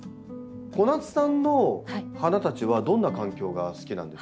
小夏さんの花たちはどんな環境が好きなんですか？